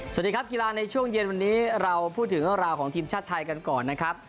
สวัสดีครับกีฬาในช่วงเย็นวันนี้เราพูดถึงเรื่องราวของทีมชาติไทยกันก่อนนะครับ